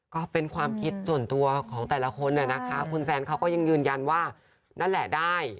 ก็เป็นความคิดส่วนตัวของแต่ละคนนะคะคุณแซนเขาก็ยังยืนยันว่านั่นแหละได้